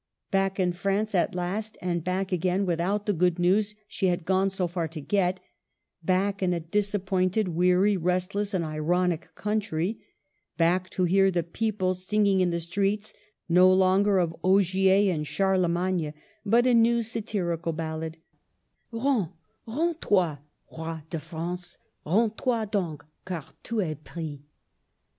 Back in France at last, and back again with out the good news she had gone so far to get; back in a disappointed, weary, restless, and ironic country; back to hear the people singing in the streets, no longer of Ogier and Charle magne, but a new satirical ballad, — "Rens, rens toy, Roi de France, Rens toy done, car tu es pris